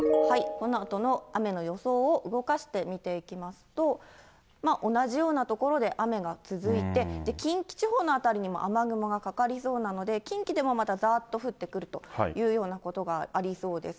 このあとの雨の予想を動かして見ていきますと、同じような所で雨が続いて、近畿地方の辺りにも雨雲がかかりそうなので、近畿でもまたざーっと降ってくるというようなことがありそうです。